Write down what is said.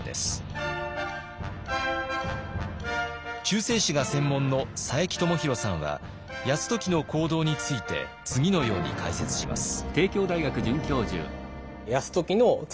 中世史が専門の佐伯智広さんは泰時の行動について次のように解説します。